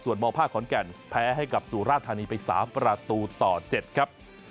มภาคขอนแก่นแพ้ให้กับสุราธานีไป๓ประตูต่อ๗ครับ